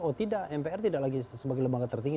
oh tidak mpr tidak lagi sebagai lembaga tertinggi